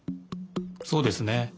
そうですね。